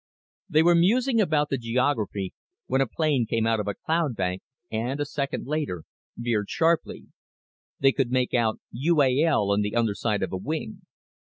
They were musing about the geography when a plane came out of a cloudbank and, a second later, veered sharply. They could make out UAL on the underside of a wing.